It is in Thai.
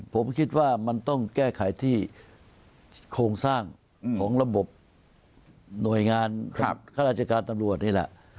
ผมคิดว่ามันต้องแก้ไขที่โครงสร้างของระบบหน่วยงานข้าราชการตำรวจนี่แหละ